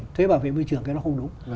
thuế bảo vệ môi trường cái đó không đúng